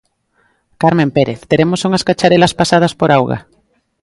Carmen Pérez, teremos unhas cacharelas pasadas por auga?